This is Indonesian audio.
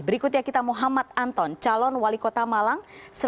berikutnya kita muhammad anton calon wali kota malang